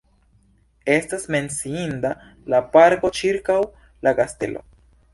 Estas menciinda la parko ĉirkaŭ la kastelo.